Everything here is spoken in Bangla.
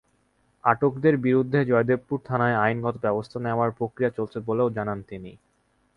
আটকদের বিরুদ্ধে জয়দেবপুর থানায় আইনগত ব্যবস্থা নেওয়ার প্রক্রিয়া চলছে বলেও জানান তিনি।